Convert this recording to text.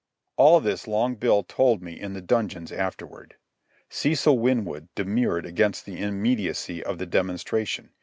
All this Long Bill told me in the dungeons afterward. Cecil Winwood demurred against the immediacy of the demonstration.